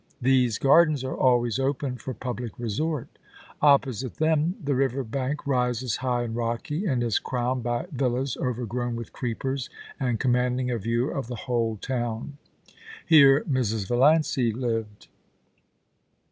These gardens are always open for public resort Opposite them, the river bank rises high and rocky, and is crowned by villas overgrown with creepers, and commanding a view of the whole town. Here Mrs. Valiancy lived.